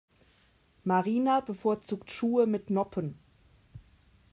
Marina bevorzugt Schuhe mit Noppen.